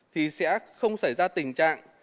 thì sẽ không xảy ra tình trạng